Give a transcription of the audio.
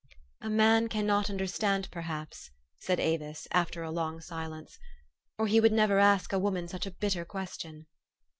" A man cannot understand, perhaps," said Avis, after a long silence, "or he would never ask a woman such a bitter question."